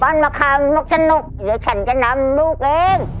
ปั้นมะขามนกชะนกเดี๋ยวฉันจะนำลูกเอง